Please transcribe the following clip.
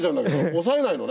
押さえないのね